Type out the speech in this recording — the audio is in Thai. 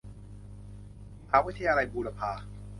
มหาวิทยาลัยบูรพา